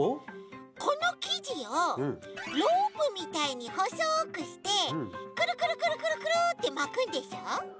このきじをロープみたいにほそくしてくるくるくるくるくるってまくんでしょ？